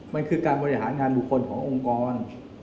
มันคือการบริหารงานบุคคลขององค์กร